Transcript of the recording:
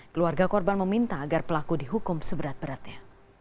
keluarga korban meminta agar pelaku dihukum seberat beratnya